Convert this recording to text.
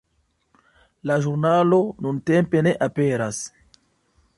La ĵurnalo nuntempe ne aperas.